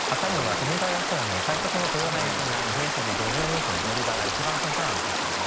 富宮方面快速の豊名行きが１１時５２分乗り場が１番線からの発車です。